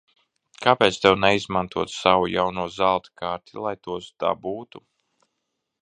Kāpēc tev neizmantot savu jauno zelta karti, lai tos dabūtu?